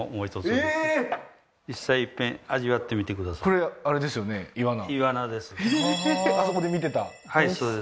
これあれですよねイワナ？